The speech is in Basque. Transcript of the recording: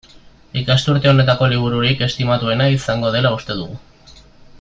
Ikasturte honetako libururik estimatuena izango dela uste dugu.